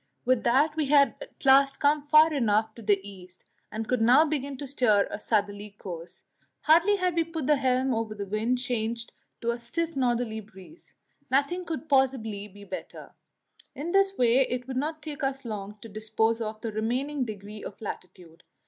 With that we had at last come far enough to the east, and could now begin to steer a southerly course; hardly had we put the helm over before the wind changed to a stiff northerly breeze Nothing could possibly be better; in this way it would not take us long to dispose of the remaining degrees of latitude.